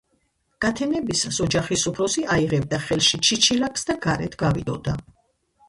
გათენებისას ოჯახის უფროსი აიღებდა ხელში ჩიჩილაკს და გარეთ გავიდოდა